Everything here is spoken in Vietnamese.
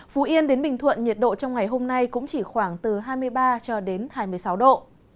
phú yên đến bình thuận nhiệt độ trong ngày hôm nay cũng chỉ khoảng từ hai mươi ba cho đến hai mươi sáu độ